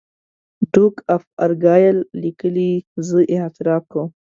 ډوک آف ارګایل لیکي زه اعتراف کوم.